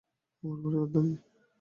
আমার পরিবার ধনী।